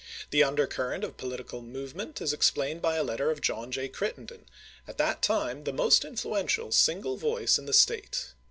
The undercurrent of political movement is explained by a letter of John J. Crittenden, at that time the most influential single voice in the State.